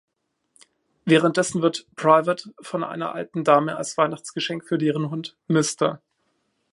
Währenddessen wird "Private" von einer alten Dame als Weihnachtsgeschenk für deren Hund "Mr.